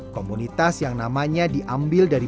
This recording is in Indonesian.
komunitas yang namanya diambil dari